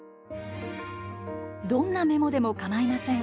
どんなメモでも構いません。